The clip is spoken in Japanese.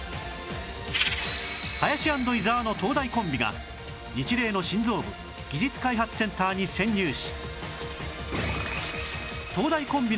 林＆伊沢の東大コンビがニチレイの心臓部技術開発センターに潜入し